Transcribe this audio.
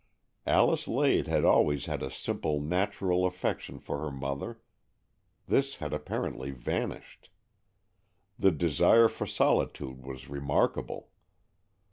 Alice Lade had always had a simple natural affection for her mother ; this had apparently vanished. The desire for solitude was remarkable.